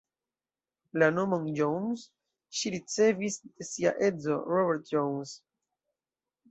La nomon „Jones“ ŝi ricevis de sia edzo Robert Jones.